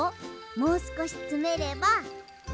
もうすこしつめれば。